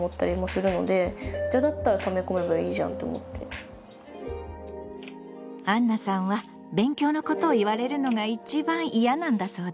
あんなさんは勉強のことを言われるのが一番嫌なんだそうです。